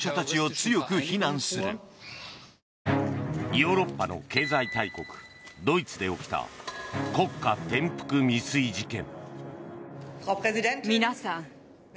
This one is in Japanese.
ヨーロッパの経済大国ドイツで起きた国家転覆未遂事件。